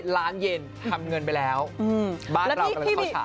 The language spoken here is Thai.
ล้านเย็นทำเงินไปแล้วบ้านเรากำลังเข้าฉาก